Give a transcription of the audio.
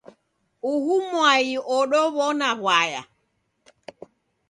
Uhu mwai odow'ona w'aya.